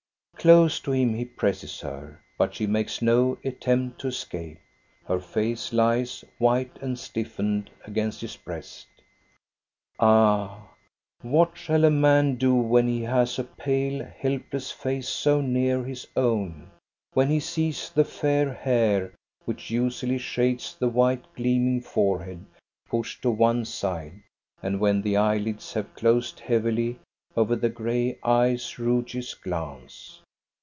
Close to him he presses her; but she makes no attempt to escape. Her face lies, white and stiffened, against his breast Ah, what shall a man do when he has a pale, help less face so near his own, when he sees the fair hair which usually shades the white, gleaming forehead, pushed to one side, and when the eyelids have closed heavily over the gray eyes* roguish glance?